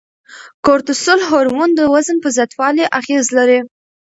کورتسول هورمون د وزن په زیاتوالي اغیز لري.